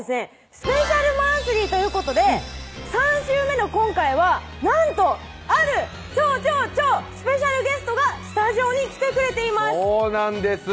スペシャルマンスリーということで３週目の今回はなんとある超超超ＳＰゲストがスタジオに来てくれていますそうなんです